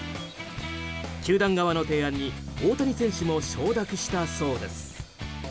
球団側の提案に大谷選手も承諾したそうです。